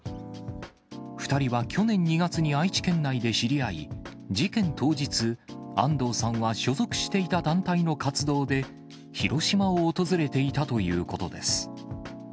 ２人は去年２月に愛知県内で知り合い、事件当日、安藤さんは所属していた団体の活動で、広島を訪れていたということです。